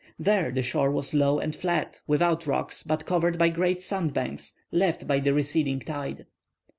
There the shore was low and flat, without rocks, but covered by great sandbanks, left by the receding tide.